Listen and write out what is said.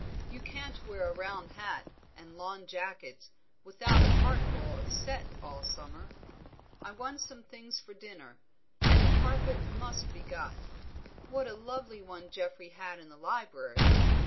You can't wear a round hat and lawn jackets without a particle of set all summer. I want some things for dinner, and the carpet must be got. What a lovely one Geoffrey had in the library!